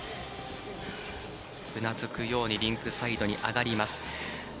うなずくようにリンクサイドに上がります。